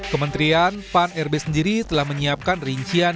kementerian pan rb sendiri telah menyiapkan rincian